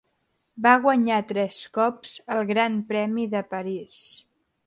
Va guanyar tres cops el Gran Premi de París.